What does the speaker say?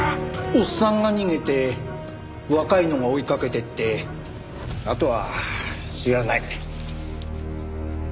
おっさんが逃げて若いのが追いかけてってあとは知らない。